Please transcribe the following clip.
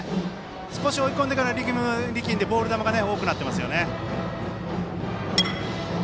少し追い込んでから力んでボール球が多くなってますね。